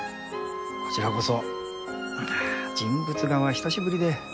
こちらこそあ人物画は久しぶりで。